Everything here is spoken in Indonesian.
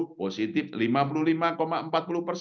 akan proses sebut ary nusra